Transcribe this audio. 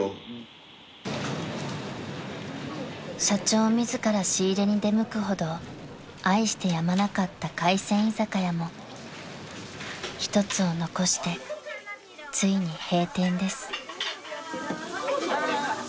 ［社長自ら仕入れに出向くほど愛してやまなかった海鮮居酒屋も１つを残してついに閉店です］